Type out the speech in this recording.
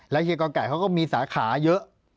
เฮียกอไก่เขาก็มีสาขาเยอะ